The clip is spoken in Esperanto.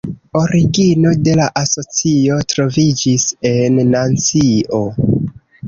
Origino de la asocio troviĝis en Nancio.